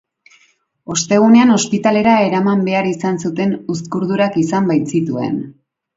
Ostegunean ospitalera eraman behar izan zuten uzkurdurak izan baitzituen.